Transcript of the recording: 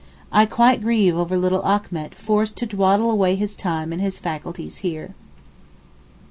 I quite grieve over little Ach met forced to dawdle away his time and his faculties here.